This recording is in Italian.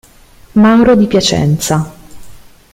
Mauro di Piacenza